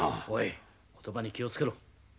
おい言葉に気を付けろ。